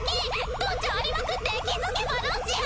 ドンチャンありまくって気付けばロシア！